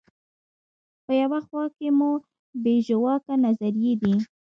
په یوه خوا کې مو بې ژواکه نظریې دي.